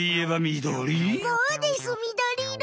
そうですみどり色。